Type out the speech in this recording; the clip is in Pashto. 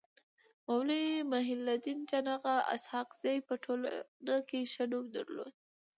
مولوي محي الدين جان اغا اسحق زي په ټولنه کي ښه نوم درلود.